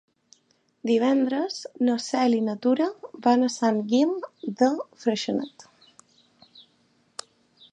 Divendres na Cel i na Tura van a Sant Guim de Freixenet.